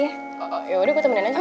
ya udah gue temen aja